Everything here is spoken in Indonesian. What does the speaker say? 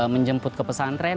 menjemput ke pesantren